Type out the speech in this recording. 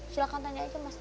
silahkan tanya aja mas